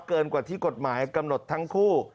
เกินกว่าที่กฎหมายกำหนดทั้งคู่